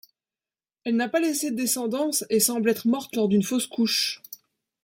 Elle n'a pas laissé de descendance et semble être morte lors d'une fausse couche.